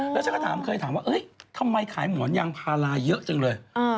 แล้วฉันก็ถามเคยถามว่าทำไมขายหมอนยางพาราเยอะจังเลย